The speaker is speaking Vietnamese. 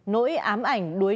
nỗi ám ảnh đối với